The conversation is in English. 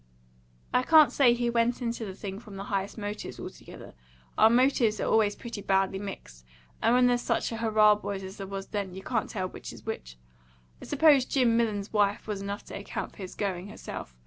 "I can't say he went into the thing from the highest motives, altogether; our motives are always pretty badly mixed, and when there's such a hurrah boys as there was then, you can't tell which is which. I suppose Jim Millon's wife was enough to account for his going, herself.